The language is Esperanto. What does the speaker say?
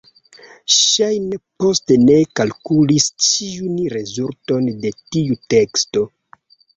Ŝajne Most ne kalkulis ĉiujn rezultojn de tiu teksto.